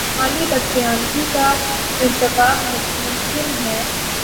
مالی بد دیانتی کا ارتکاب ممکن ہے۔